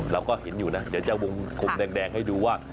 เราก็เห็นอยู่นะเดี๋ยวจะวงกลมแดงให้ดูว่า